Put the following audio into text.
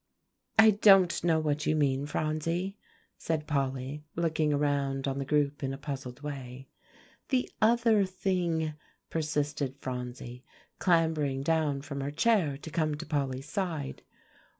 "I don't know what you mean, Phronsie," said Polly, looking around on the group in a puzzled way. "The other thing," persisted Phronsie, clambering down from her chair to come to Polly's side.